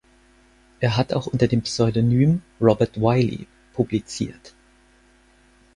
Er hat auch unter dem Pseudonym Robert Wiley publiziert.